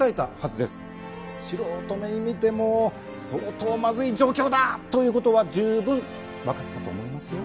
素人目に見ても相当まずい状況だという事は十分わかったと思いますよ。